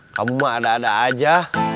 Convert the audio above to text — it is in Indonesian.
kamu ada ada aja